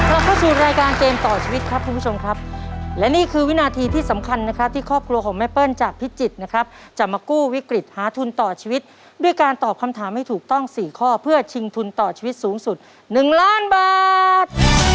เราเข้าสู่รายการเกมต่อชีวิตครับคุณผู้ชมครับและนี่คือวินาทีที่สำคัญนะครับที่ครอบครัวของแม่เปิ้ลจากพิจิตรนะครับจะมากู้วิกฤตหาทุนต่อชีวิตด้วยการตอบคำถามให้ถูกต้องสี่ข้อเพื่อชิงทุนต่อชีวิตสูงสุด๑ล้านบาท